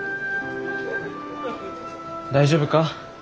大丈夫か？